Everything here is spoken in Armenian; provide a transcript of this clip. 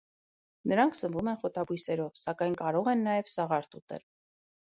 Նրանք սնվում են խոտաբույսերով, սակայն կարող են նաև սաղարթ ուտել։